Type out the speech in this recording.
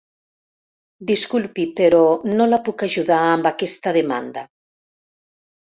Disculpi però no la puc ajudar amb aquesta demanda.